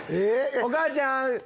お母ちゃん！